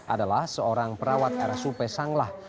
adalah seorang perawat rsup sanglah